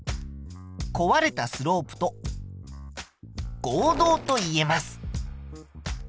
壊れたスロープと合同と言えます。